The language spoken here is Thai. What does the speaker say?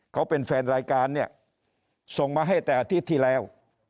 เขาเป็นแฟนรายการเนี่ยส่งมาให้แต่อาทิตย์ที่แล้ว